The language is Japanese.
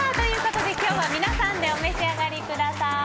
今日は皆さんでお召し上がりください。